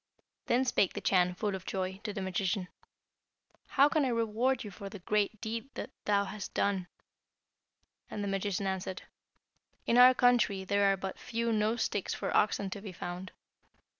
Then spake the Chan, full of joy, to the magician, 'How can I reward you for the great deed that thou hast done?' And the magician answered, 'In our country there are but few nose sticks for oxen to be found.